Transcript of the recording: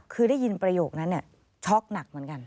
คือได้ยินประโยคนั้นช็อกหนักเหมือนกัน